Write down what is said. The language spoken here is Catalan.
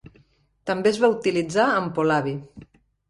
També es va utilitzar en polabi.